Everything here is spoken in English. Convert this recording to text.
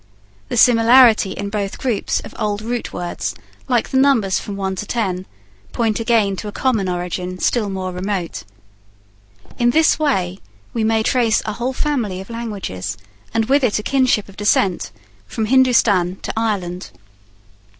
The similarity in both groups of old root words, like the numbers from one to ten, point again to a common origin still more remote. In this way we may trace a whole family of languages, and with it a kinship of descent, from Hindustan to Ireland.